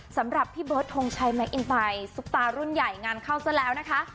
สำหรับพี่เบิร์ดทงชัยแมคอินไตซุปตารุ่นใหญ่งานเข้าซะแล้วนะคะ